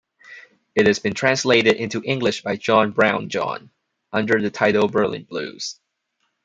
It has been translated into English by John Brownjohn under the title Berlin Blues.